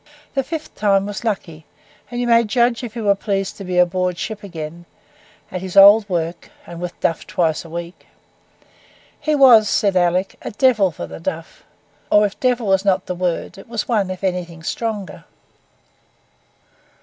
The fifth time was lucky; and you may judge if he were pleased to be aboard ship again, at his old work, and with duff twice a week. He was, said Alick, 'a devil for the duff.' Or if devil was not the word, it was one if anything stronger.